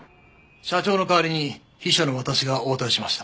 社長の代わりに秘書の私が応対しました。